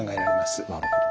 なるほど。